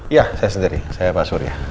iya saya sendiri saya pak surya